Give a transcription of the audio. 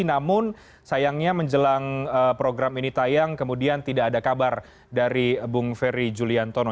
namun sayangnya menjelang program ini tayang kemudian tidak ada kabar dari bung ferry juliantono